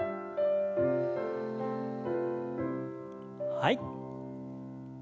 はい。